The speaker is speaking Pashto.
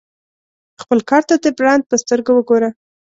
خپل کار ته د برانډ په سترګه وګوره.